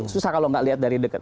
susah kalau nggak lihat dari dekat